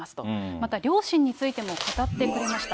また両親についても語ってくれました。